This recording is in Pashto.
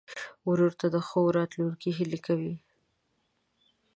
ورور ته د ښو راتلونکو هیلې کوې.